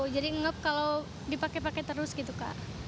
jadi ngelup kalau dipakai pakai terus gitu kak